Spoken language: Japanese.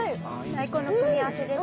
最高の組み合わせです。